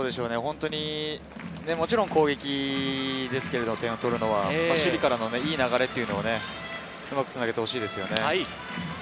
もちろん攻撃ですけれど、守備からのいい流れっていうのをうまくつなげてほしいですね。